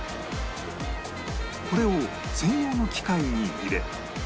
これを専用の機械に入れ